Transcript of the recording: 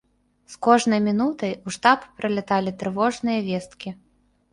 З кожнай мінутай у штаб прыляталі трывожныя весткі.